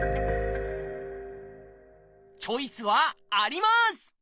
チョイスはあります！